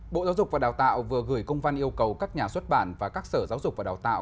bộ giáo dục và đào tạo vừa gửi công văn yêu cầu các nhà xuất bản và các sở giáo dục và đào tạo